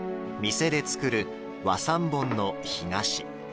店で作る和三盆の干菓子。